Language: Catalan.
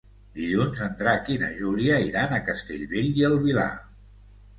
Dilluns en Drac i na Júlia iran a Castellbell i el Vilar.